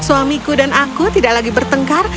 suamiku dan aku tidak lagi bertengkar